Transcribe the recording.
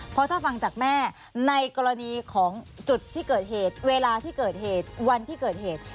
เพราะถ้าฟังจากแม่ในกรณีของจุดที่เกิดเหตุเวลาที่เกิดเหตุวันที่เกิดเหตุ